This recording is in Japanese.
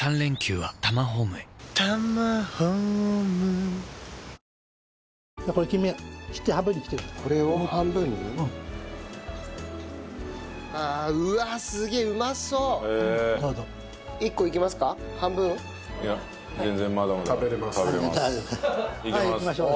はいいきましょう。